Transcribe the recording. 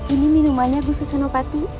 ini minumannya bu susino pati